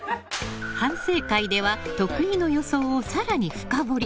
反省会では徳井の予想を更に深掘り。